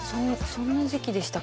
そんな時期でしたか